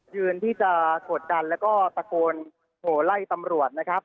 ยืนที่จะกดดันแล้วก็ตะโกนโหไล่ตำรวจนะครับ